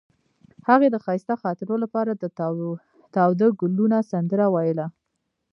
هغې د ښایسته خاطرو لپاره د تاوده ګلونه سندره ویله.